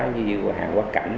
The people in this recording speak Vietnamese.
như hàng quá cảnh